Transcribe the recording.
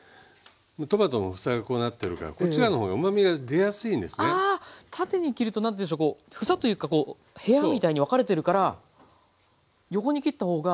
トマトの房がこうなってるからこちらの方がうまみが出やすいんですねああ縦に切ると何ていうんでしょう房というか部屋みたいに分かれているから横に切った方が。